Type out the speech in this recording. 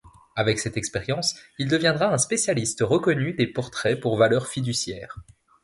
Avec cette expérience, il deviendra un spécialiste reconnu des portraits pour valeurs fiduciaires.